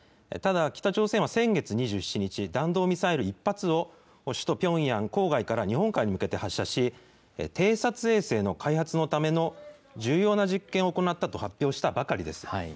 ただ、北朝鮮は先月２７日、弾道ミサイル１発を首都ピョンヤン郊外から日本海に向けて発射し、偵察衛星の開発のための重要な実験を行ったと発表したばかりです。